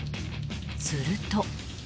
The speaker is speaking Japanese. すると。